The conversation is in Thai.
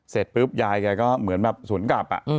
เสร็จปุ๊บยายแกก็เหมือนแบบสวนกลับ